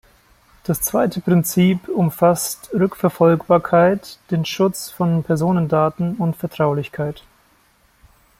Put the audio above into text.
Das zweite Prinzip umfasst Rückverfolgbarkeit, den Schutz von Personendaten und Vertraulichkeit.